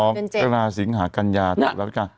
อ๋อกรกฎาสิงหากัญญาตรับรับพิการ